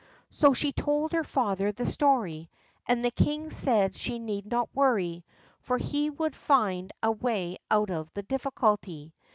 So she told her father the story, and the king said she need not worry, for he would find a way out of the difficulty.